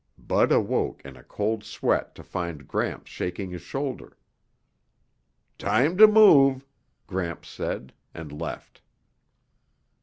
Bud awoke in a cold sweat to find Gramps shaking his shoulder. "Time to move," Gramps said, and left.